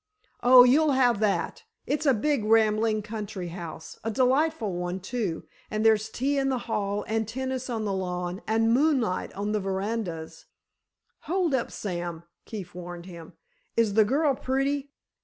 "Oh, you'll have that. It's a big, rambling country house—a delightful one, too—and there's tea in the hall, and tennis on the lawn, and moonlight on the verandas——" "Hold up, Sam," Keefe warned him, "is the girl pretty?"